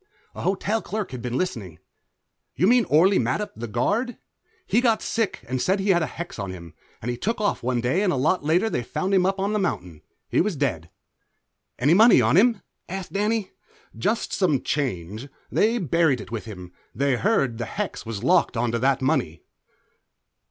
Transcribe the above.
A hotel clerk had been listening. "You mean Orley Mattup, the guard? He got sick, and said he had a hex on him, and took off one day and a lot later they found him up on the mountain. He was dead." "Any money on him?" asked Danny. "Jest some change. They buried it with him; they heard the hex was locked onto that money."